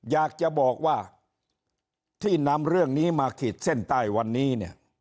อยากจะบอกว่าที่นำเรื่องนี้มาขีดเส้นใต้วันนี้เนี่ย